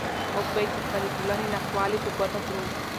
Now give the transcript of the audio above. موږ باید د خپلې ټولنې ناخوالې په ګوته کړو.